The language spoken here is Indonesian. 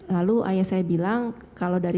lalu ayah saya bilang kalau dari